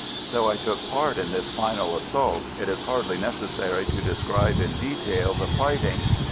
Though I took part in this final assault, it is hardly necessary to describe in detail the fighting.